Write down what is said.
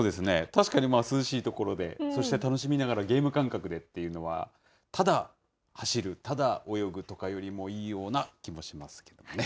確かに、涼しい所で、そして楽しみながらゲーム感覚でというところは、ただ走る、ただ泳ぐとかよりも、いいような気もしますけどね。